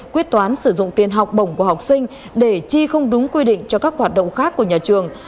quyết toán sử dụng tiền học bổng của học sinh để chi không đúng quy định cho các hoạt động khác của nhà trường